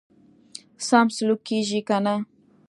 سم سلوک کیږي کنه.